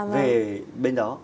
về bên đó